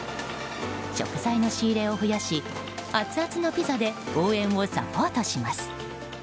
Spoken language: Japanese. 食材の仕入れを増やしアツアツのピザで応援をサポートします。